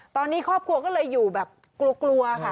ตอนนี้ครอบครัวก็เลยอยู่แบบกลัวค่ะ